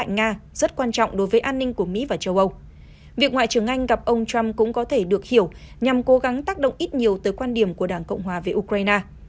việc ngoại trưởng anh gặp ông trump cũng có thể được hiểu nhằm cố gắng tác động ít nhiều tới quan điểm của đảng cộng hòa về ukraine